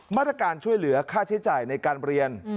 มาตรการช่วยเหลือค่าใช้จ่ายในการเรียน